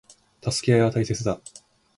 助け合いは大切だ。